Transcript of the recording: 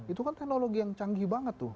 itu kan teknologi yang canggih banget tuh